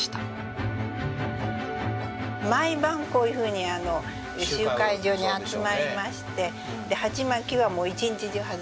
毎晩こういうふうに集会場に集まりまして鉢巻きは一日中外しませんね。